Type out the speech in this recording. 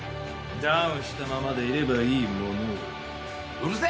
ダウンしたままでいればいいものを。